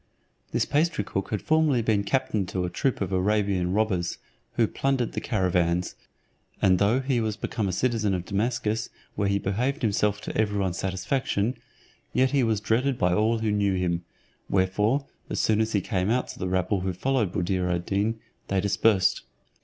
This pastry cook had formerly been captain to a troop of Arabian robbers, who plundered the caravans; and though he was become a citizen of Damascus, where he behaved himself to every one's satisfaction, yet he was dreaded by all who knew him; wherefore, as soon as he came out to the rabble who followed Buddir ad Deen, they dispersed.